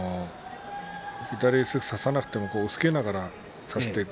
左を差せなくても押っつけながら差していく。